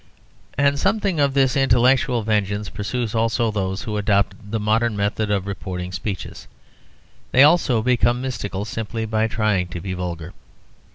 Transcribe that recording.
And something of this intellectual vengeance pursues also those who adopt the modern method of reporting speeches. They also become mystical, simply by trying to be vulgar.